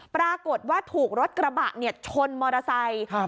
ปรากฏว่าถูกรถกระบะเนี่ยชนมอเตอร์ไซค์